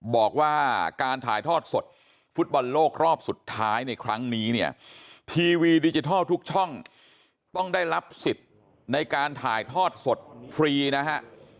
บอกว่าการถ่ายทอดสดฟุตบอลโลกรอบสุดท้ายในครั้งนี้เนี่ยทีวีดิจิทัลทุกช่องต้องได้รับสิทธิ์ในการถ่ายทอดสดฟรีนะฮะ